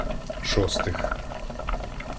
Шостих